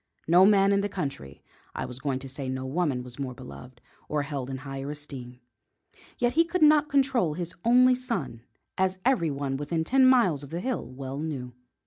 No man in the country I was going to say no woman was more beloved, or held in higher esteem. Yet he could not control his only son, as everyone within ten miles of the hill well knew.